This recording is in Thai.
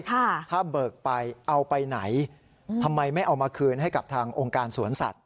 ถ้าเบิกไปเอาไปไหนทำไมไม่เอามาคืนให้กับทางองค์การสวนสัตว